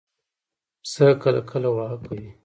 پسه کله کله واهه کوي.